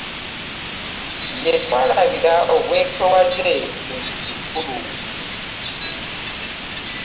Jetudabira , obwetowaze kintu kikulu .